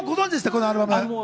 このアルバム。